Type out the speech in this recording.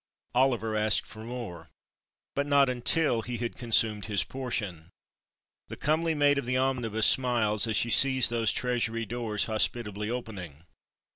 Oliver asked for more, but not until he had consumed his portion. The comely maid of the omnibus smiles as she sees those treasury doors hospitably opening.